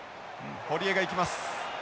堀江が行きます。